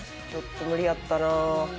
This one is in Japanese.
ちょっと無理やったな。